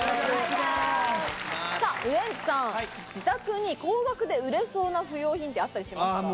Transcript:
ウエンツさん自宅に高額で売れそうな不要品ってあったりしますか？